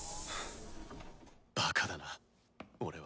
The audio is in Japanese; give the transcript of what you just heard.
バカだな俺は。